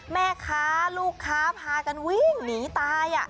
แม่ค้าลูกค้าพากันวิ่งหนีตาย